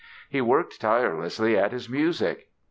He worked tirelessly at his music.